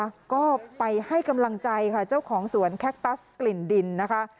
แล้วก็ไปให้กำลังใจค่ะเจ้าของสวนแคคตัสกลิ่นดินนะคะ